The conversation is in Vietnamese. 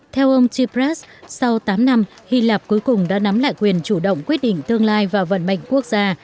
theo ông tipras sau tám năm hy lạp cuối cùng đã nắm lại quyền chủ động quyết định tương lai và vận mệnh quốc gia